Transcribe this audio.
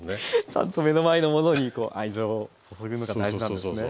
ちゃんと目の前のものに愛情を注ぐのが大事なんですね？